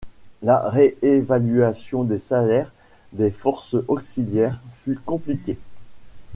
La réévaluation des salaires des Forces auxiliaires fut compliquée.